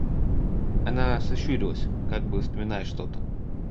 Она сощурилась, как бы вспоминая что-то.